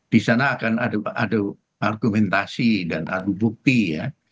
di sana akan ada argumentasi dan ardu bukti ya